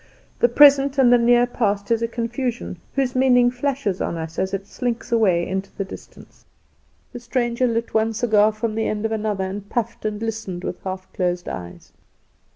The present and the near past is a confusion, whose meaning flashes on us as it slinks away into the distance. The stranger lit one cigar from the end of another, and puffed and listened with half closed eyes.